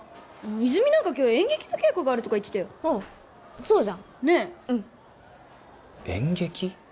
泉何か今日演劇の稽古があるとか言ってたよああそうじゃんうんねえ演劇？